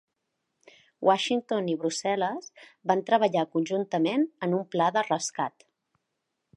Washington i Brussel·les van treballar conjuntament en un pla de rescat.